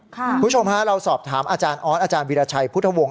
คุณผู้ชมฮะเราสอบถามอาจารย์ออสอาจารย์วิราชัยพุทธวงศ